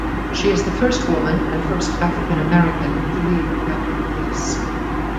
She is the first woman and first African American to lead the Capitol Police.